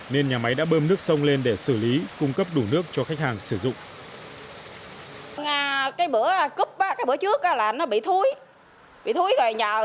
nên nhà máy đã bơm nước sông lên để xử lý cung cấp đủ nước cho khách hàng sử dụng